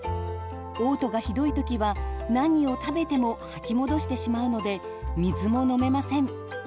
おう吐がひどいときは何を食べても吐き戻してしまうので水も飲めません。